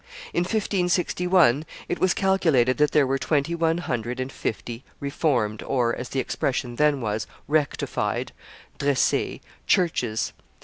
In 1561, it was calculated that there were twenty one hundred and fifty reformed, or, as the expression then was, rectified (dressees), churches.